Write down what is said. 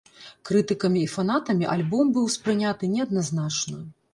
Крытыкамі і фанатамі альбом быў успрыняты неадназначна.